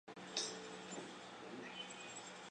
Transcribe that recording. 在九十九学年度下学期启用。